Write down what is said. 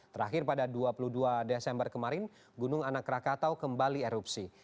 terakhir pada dua puluh dua desember kemarin gunung anak rakatau kembali erupsi